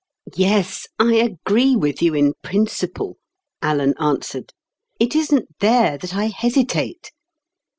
"Yes, I agree with you in principle," Alan answered. "It isn't there that I hesitate.